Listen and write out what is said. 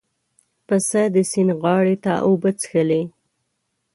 پسه د سیند غاړې ته اوبه څښلې.